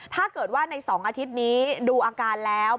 ถ้าเกิดว่าใน๒อาทิตย์นี้ดูอาการแล้ว